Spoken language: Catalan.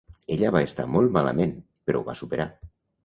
Ella va estar molt malament, però ho va superar.